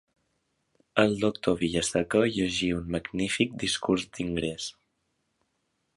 El doctor Vilaseca llegí un magnífic discurs d'ingrés.